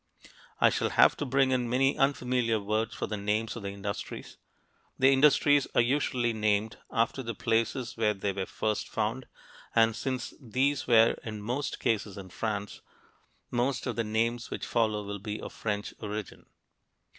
I shall have to bring in many unfamiliar words for the names of the industries. The industries are usually named after the places where they were first found, and since these were in most cases in France, most of the names which follow will be of French origin.